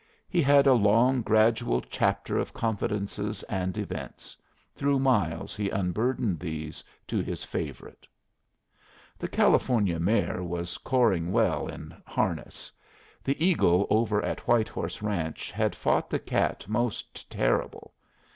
He had a long, gradual chapter of confidences and events; through miles he unburdened these to his favorite: The California mare was coring well in harness. The eagle over at Whitehorse ranch had fought the cat most terrible.